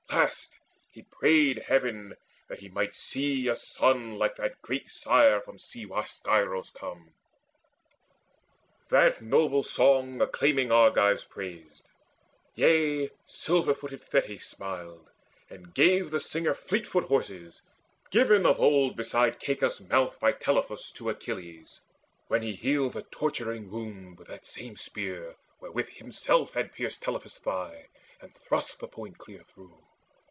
Last, he prayed Heaven that he might see a son Like that great sire from sea washed Scyros come. That noble song acclaiming Argives praised; Yea, silver looted Thetis smiled, and gave The singer fleetfoot horses, given of old Beside Caicus' mouth by Telephus To Achilles, when he healed the torturing wound With that same spear wherewith himself had pierced Telephus' thigh, and thrust the point clear through.